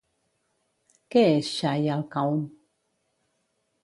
Què és Xay al-Qawm?